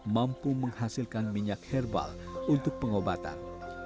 mampu menghasilkan minyak herbal untuk pengobatan